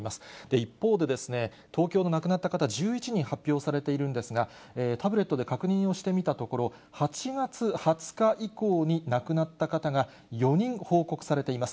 一方で、東京の亡くなった方、１１人発表されているんですが、タブレットで確認をしてみたところ、８月２０日以降に亡くなった方が、４人報告されています。